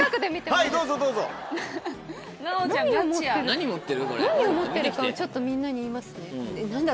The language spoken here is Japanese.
何を持ってるかをちょっとみんなに言いますね。